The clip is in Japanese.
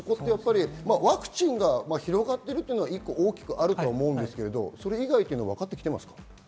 ワクチンが広がっているのは大きくあると思いますが、それ以外は分かってきていますか？